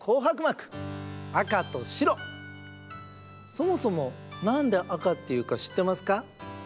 そもそもなんで赤っていうかしってますか？